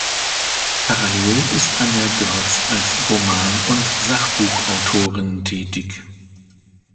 Parallel ist Anja Goerz als Roman- und Sachbuchautorin tätig.